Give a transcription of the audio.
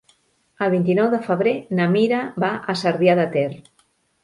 El vint-i-nou de febrer na Mira va a Cervià de Ter.